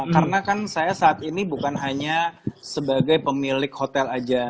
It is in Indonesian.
karena kan saya saat ini bukan hanya sebagai pemilik hotel aja